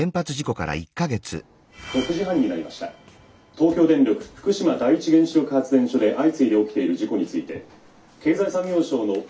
東京電力福島第一原子力発電所で相次いで起きている事故について経済産業省の」。